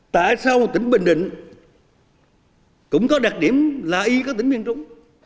tại sao tỉnh bình định cũng có đặc điểm là y có tỉnh miền trung